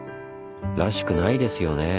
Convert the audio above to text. らしくないですよねぇ？